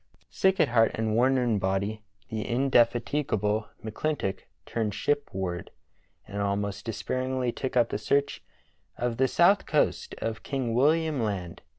Sick at heart and worn in body, the indefatigable McClintock turned shipward, and almost despairingly took up the search of the south coast of King William Land.